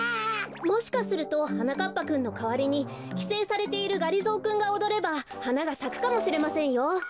もしかするとはなかっぱくんのかわりにきせいされているがりぞーくんがおどればはながさくかもしれませんよ。